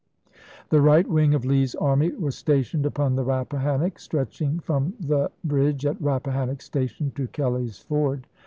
The right wing of Lee's army was stationed upon the Rappahannock, stretching from the bridge at Rappahannock Station to Kelly's Ford.